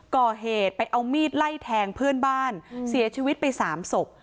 ก่อเหตุไปเอามีดไล่แทงเพื่อนบ้านเสียชีวิตไปสามศพ